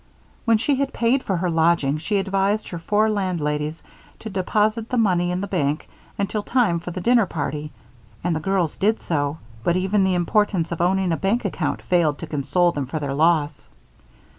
When she had paid for her lodging she advised her four landladies to deposit the money in the bank until time for the dinner party, and the girls did so, but even the importance of owning a bank account failed to console them for their loss.